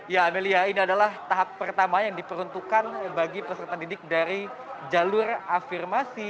ya amelia ini adalah tahap pertama yang diperuntukkan bagi peserta didik dari jalur afirmasi